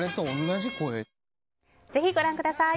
ぜひご覧ください。